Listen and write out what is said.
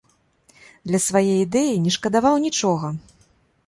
Для свае ідэі не шкадаваў нічога.